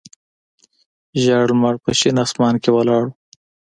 زیړ لمر په شین اسمان کې ولاړ و.